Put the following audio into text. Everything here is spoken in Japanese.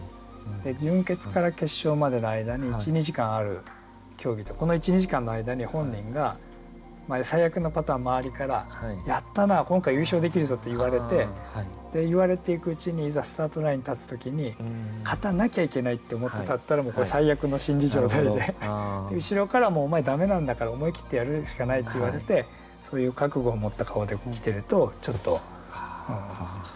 準決から決勝までの間に１２時間ある競技ってこの１２時間の間に本人が最悪のパターン周りから「やったな今回優勝できるぞ」って言われて言われていくうちにいざスタートラインに立つ時に勝たなきゃいけないって思って立ったらこれ最悪の心理状態で後ろから「もうお前駄目なんだから思い切ってやるしかない」って言われてそういう覚悟を持った顔で来てるとちょっと。